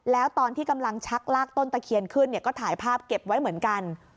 แล้วตอนที่กำลังชักลากต้นตะเคียนขึ้นเนี่ยก็ถ่ายภาพเก็บไว้เหมือนกัน